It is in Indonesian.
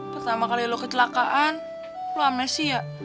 pertama kali lo kecelakaan lu amnesia